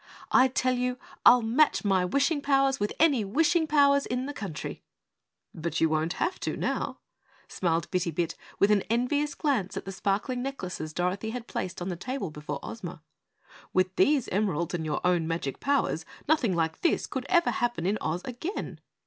"I tell you, I'll match my wishing powers with any wishing powers in the country!" "But you won't have to, now," smiled Bitty Bit with an envious glance at the sparkling necklaces Dorothy had placed on the table before Ozma. "With these emeralds and your own magic powers, nothing like this could ever happen in Oz again."